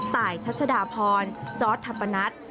ต่ายชัชดาพรจอสธัปนัท